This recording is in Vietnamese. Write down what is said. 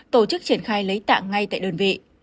tổ chức triển khai lấy tạng ngay tại đơn vị